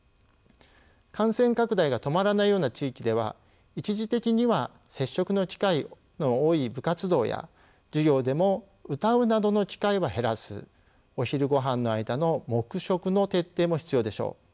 感染拡大が止まらないような地域では一時的には接触の機会の多い部活動や授業でも歌うなどの機会は減らすお昼ごはんの間の黙食の徹底も必要でしょう。